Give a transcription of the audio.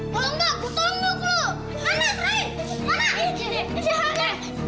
tunggu aku tunggu